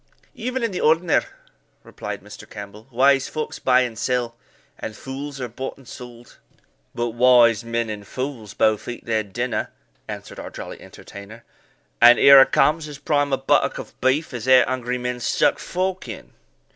"Even in the ordinar," replied Mr. Campbell; "wise folks buy and sell, and fools are bought and sold." "But wise men and fools both eat their dinner," answered our jolly entertainer; "and here a comes as prime a buttock of beef as e'er hungry men stuck fork in."